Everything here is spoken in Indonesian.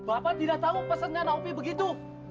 bapak tidak tahu pesennya anak opi begitu